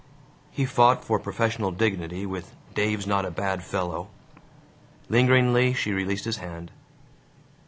He fought for professional dignity with, "Dave 's not a bad fellow." Lingeringly she released his hand.